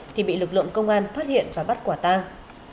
thì bị lực lượng công an phát hiện và bắt quả tang